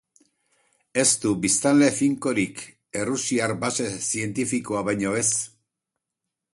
Ez du biztanle finkorik, errusiar base zientifikoa baino ez.